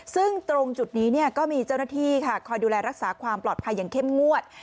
ซึ่งตรงจุดนี้ก็มีเจ้าหน้าที่ค่ะคอยดูแลรักษาความปลอดภัยอย่างเข้มงวด